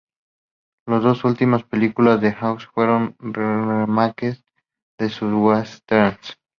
Las dos últimas películas de Hawks fueron "remakes" de sus westerns.